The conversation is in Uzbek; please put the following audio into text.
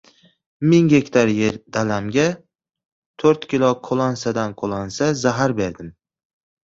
Men bir gektar dalamga to‘rt kilo qo‘lansadan-qo‘lansa zahar berdim.